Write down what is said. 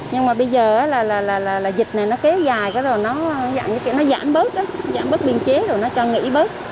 nhưng mà bây giờ là dịch này nó kế dài rồi nó giảm bớt giảm bớt biên chế rồi nó cho nghỉ bớt